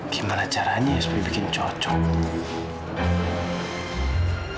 gimana caranya supaya bikin cocok